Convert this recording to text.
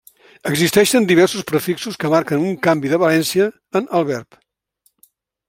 Existeixen diversos prefixos que marquen un canvi de valència en el verb.